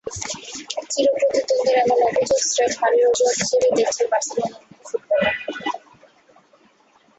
চিরপ্রতিদ্বন্দ্বীর এমন অভিযোগ স্রেফ হারের অজুহাত হিসেবেই দেখেছেন বার্সেলোনার অনেক ফুটবলার।